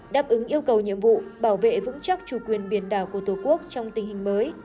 đáp ứng yêu cầu nhiệm vụ bảo vệ vững chắc chủ quyền biển đảo của tổ quốc trong tình hình mới